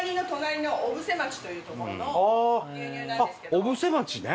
あっ小布施町ね。